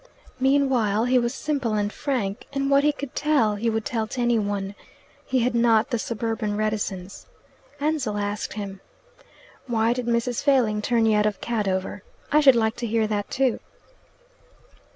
Meanwhile he was simple and frank, and what he could tell he would tell to any one. He had not the suburban reticence. Ansell asked him, "Why did Mrs. Failing turn you out of Cadover? I should like to hear that too."